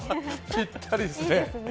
ぴったりですね。